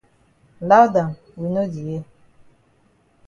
Loud am we no di hear.